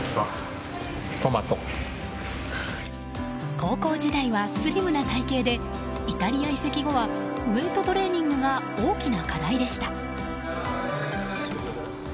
高校時代はスリムな体形でイタリア移籍後はウェートトレーニングが大きな課題でした。